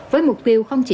với mục tiêu không chỉ